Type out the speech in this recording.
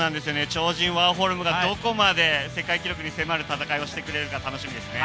超人ワーホルムがどこまで世界記録に迫る戦いをしてくれるか楽しみですね。